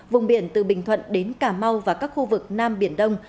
vùng biển từ bình thuận đến cà mau và các khu vực nam biển đông